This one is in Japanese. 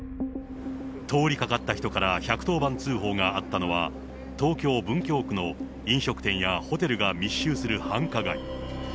通りかかった人から１１０番通報があったのは、東京・文京区の飲食店やホテルが密集する繁華街。